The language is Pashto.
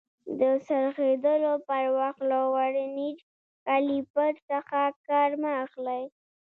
د څرخېدلو پر وخت له ورنیر کالیپر څخه کار مه اخلئ.